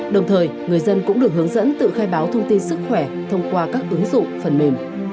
đồng thời người dân cũng được hướng dẫn tự khai báo thông tin sức khỏe thông qua các ứng dụng phần mềm